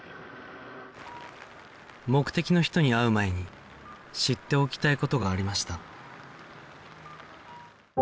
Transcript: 目的の人に会う前に知っておきたい事がありました